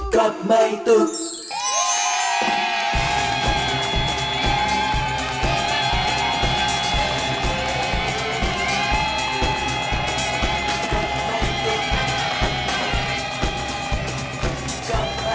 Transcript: กรอบไม้ตุก